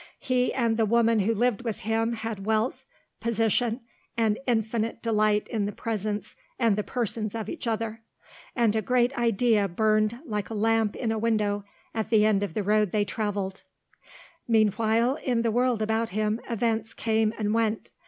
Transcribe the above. He and the woman who lived with him had wealth, position, and infinite delight in the presence and the persons of each other, and a great idea burned like a lamp in a window at the end of the road they travelled. Meanwhile, in the world about him events came and went.